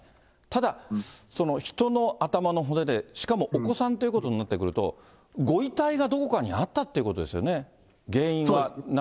ただ、人の頭の骨で、しかもお子さんということになってくると、ご遺体がどこかにあったということですよね。